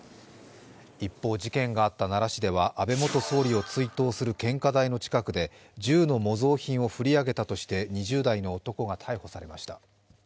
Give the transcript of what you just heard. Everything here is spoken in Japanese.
一方、事件があった奈良市では安倍元総理を追悼する献花台の近くで銃の模造品を振り上げたとして２０代の男が逮捕されました。